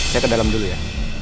saya ke dalam dulu ya